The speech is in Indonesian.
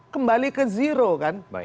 kembali ke zero kan